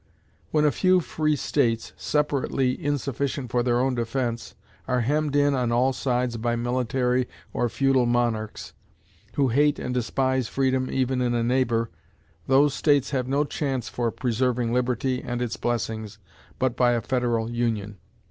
When a few free states, separately insufficient for their own defense, are hemmed in on all sides by military or feudal monarchs, who hate and despise freedom even in a neighbor, those states have no chance for preserving liberty and its blessings but by a federal union.